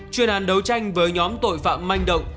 chuyên án đấu tranh với nhóm tội phạm manh động